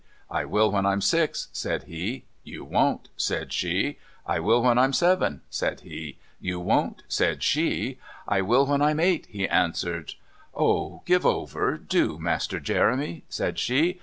"I will when I'm six," said he. "You won't," said she. "I will when I'm seven," said he. "You won't," said she. "I will when I'm eight," he answered. "Oh, give over, do, Master Jeremy," said she.